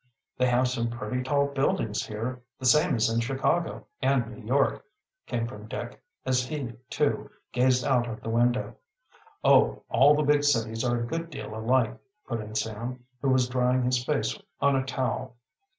"They have some pretty tall buildings here, the same as in Chicago and New York," came from Dick, as he, too, gazed out of the window. "Oh, all the big cities are a good deal alike," put in Sam, who was drying his face on a towel.